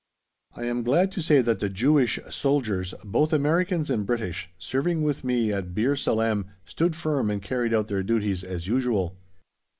I am glad to say that the Jewish soldiers, both Americans and British, serving with me at Bir Salem, stood firm and carried out their duties as usual.